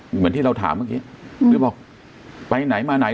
เหมือนที่เราถามเมื่อกี้หรือบอกไปไหนมาไหน